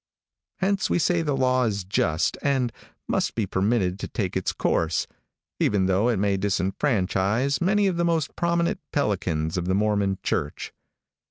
Hence we say the law is just and must be permitted to take its course, even though it may disfranchise many of the most prominent pelicans of the Mormon church.